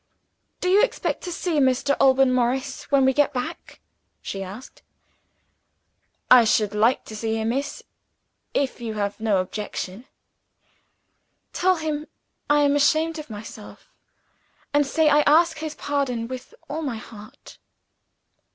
"Do you expect to see Mr. Alban Morris, when we get back?" she asked. "I should like to see him, miss if you have no objection." "Tell him I am ashamed of myself! and say I ask his pardon with all my heart!"